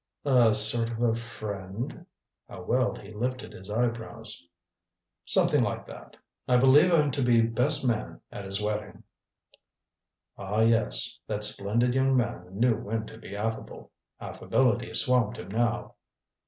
"A sort of a friend?" How well he lifted his eyebrows! "Something like that. I believe I'm to be best man at his wedding." Ah, yes; that splendid young man knew when to be affable. Affability swamped him now.